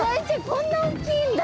こんな大きいんだ。